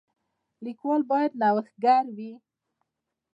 لیکوال باید نوښتګر وي.